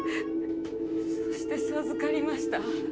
そして、授かりました。